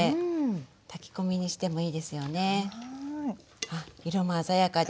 はあ色も鮮やかで。